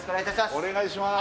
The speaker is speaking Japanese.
お願いします